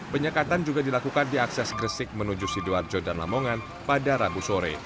penyekatan juga dilakukan di akses gresik menuju sidoarjo dan lamongan pada rabu sore